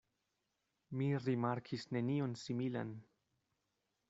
Mi rimarkis nenion similan.